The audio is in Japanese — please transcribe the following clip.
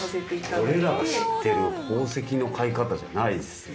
俺らが知ってる宝石の買い方じゃないですね。